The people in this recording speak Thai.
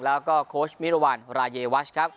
แล้วก็โค้ชมิรวรรณรายวัชครับ